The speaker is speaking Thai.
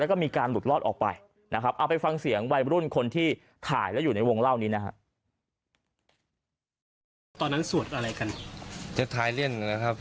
แล้วก็มีการหลุดลอดออกไปนะครับเอาไปฟังเสียงวัยรุ่นคนที่ถ่ายแล้วอยู่ในวงเล่านี้นะครับ